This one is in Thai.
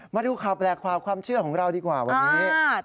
มาดูข่าวแปลกความความเชื่อของเราดีกว่าวันนี้